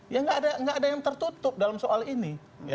ya nggak ada yang tertutup dalam soal ini